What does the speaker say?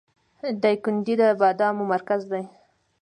دایکنډي د بادامو مرکز دی